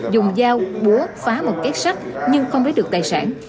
dùng dao búa phá một kết sắt nhưng không lấy được tài sản